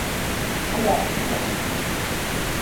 Allaapa qillami kanki.